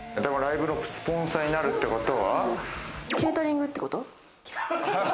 ライブのスポンサーになるってことは？